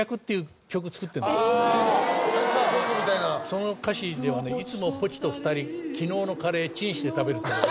その歌詞ではね「いつもポチと二人昨日のカレーチンして食べる」っていうのが。